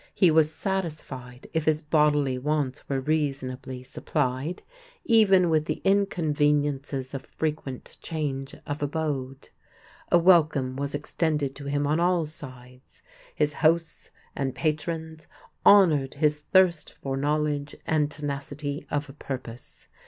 He was satisfied, if his bodily wants were reasonably supplied, even with the inconveniences of frequent change of abode. A welcome was extended to him on all sides. His hosts and patrons honored his thirst for knowledge and tenacity of purpose.